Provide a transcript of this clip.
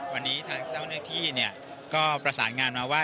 วันนี้ทางเจ้าหน้าที่ก็ประสานงานมาว่า